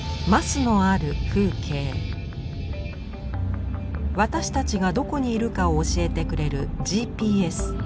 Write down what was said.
私たちがどこにいるかを教えてくれるＧＰＳ。